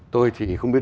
tôi thì không biết